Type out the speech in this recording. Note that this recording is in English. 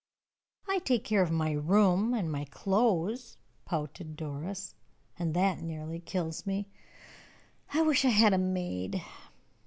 "I take care of my room, and my clothes," pouted Doris, "and that nearly kills me. I wish I had a maid!"